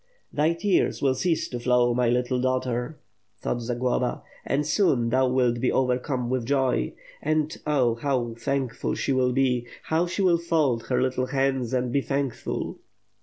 "Thy tears will cease to flow, my little daughter," thought Zagloba, "and soon thou wilt be overcome with joy. And oh, how thankful she will be, how she will fold her little hands and be thankful!"